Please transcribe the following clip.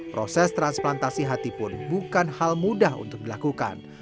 proses transplantasi hati pun bukan hal mudah untuk dilakukan